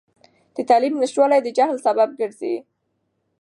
د تعلیم نشتوالی د جهل سبب ګرځي.